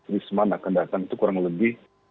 risman akan datang itu kurang lebih